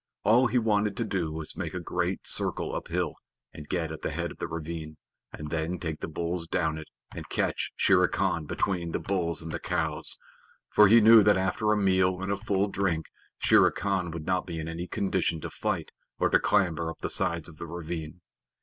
All he wanted to do was to make a big circle uphill and get at the head of the ravine, and then take the bulls down it and catch Shere Khan between the bulls and the cows; for he knew that after a meal and a full drink Shere Khan would not be in any condition to fight or to clamber up the sides of the ravine.